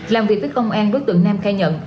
làm việc với công an đối tượng nam khai nhận